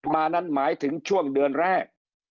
มานั้นหมายถึงช่วงเดือนแรก